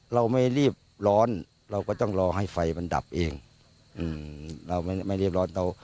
เราไม่รีบร้อนเราก็ต้องรอให้ไฟมันดับเองอืมเราไม่ไม่รีบร้อนเรา